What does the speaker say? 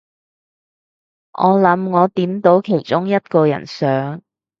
我諗我點到其中一個人相